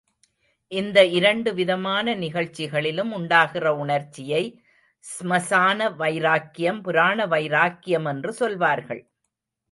இந்த இரண்டுவிதமான நிகழ்ச்சிகளிலும் உண்டாகிற உணர்ச்சியை ஸ்மசான வைராக்கியம், புராண வைராக்கியம் என்று சொல்லுவார்கள்.